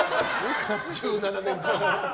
１７年間も。